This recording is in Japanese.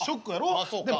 ああそうか。